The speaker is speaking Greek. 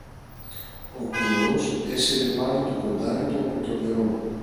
Ο κουλός έσυρε πάλι το κοντάρι του από το νερό